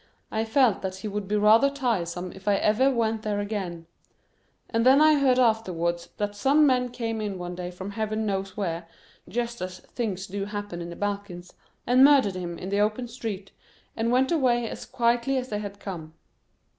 I felt that he would be rather tiresome if I ever went there again. And then I heard afterwards that some men came in one day from Heaven knows where, just as things do happen in the Balkans, and murdered him in the open street, and went away as quietly as they had come.